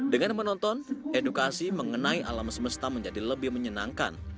dengan menonton edukasi mengenai alam semesta menjadi lebih menyenangkan